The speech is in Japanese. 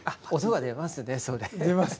出ますね。